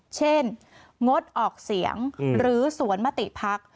เช่นงดออกเสียงหรือสวนมติภักดิ์